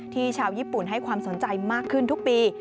ชาวญี่ปุ่นให้ความสนใจมากขึ้นทุกปี